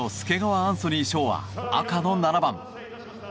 アンソニー翔は赤の７番。